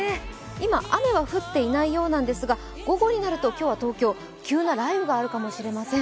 今、雨は降っていないようなんですが、午後になると今日は東京急な雷雨があるかもしれません。